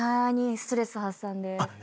ストレス発散で。